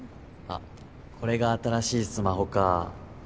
あっこれが新しいスマホかぁ。